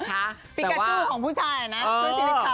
ฟิกาจู้ของผู้ชายนะช่วยชีวิตเขา